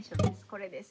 これです。